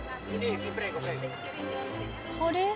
あれ？